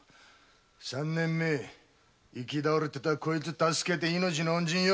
三年前行き倒れのこいつを助けて命の恩人よ